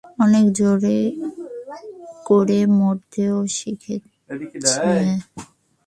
অনেক জোরে করে মারতেও শিখছে!